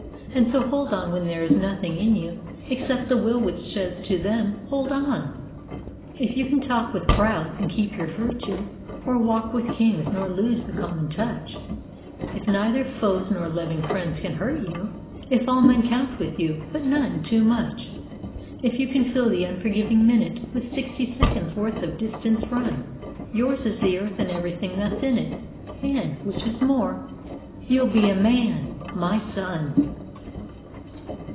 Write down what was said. And so hold on when there is nothing in you Except the Will which says to them: 'Hold on!' If you can talk with crowds and keep your virtue, Or walk with Kings nor lose the common touch; If neither foes nor loving friends can hurt you, If all men count with you, but none too much; If you can fill the unforgiving minute With sixty seconds' worth of distance run, Yours is the Earth and everything that's in it, And which is more you'll be a Man, my son!